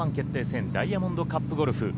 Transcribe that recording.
戦ダイヤモンドカップゴルフ。